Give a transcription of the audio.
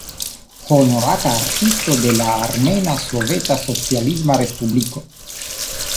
Honorata Artisto de la Armena Soveta Socialisma Respubliko.